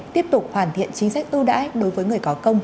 tiếp tục hoàn thiện chính sách ưu đãi đối với người có công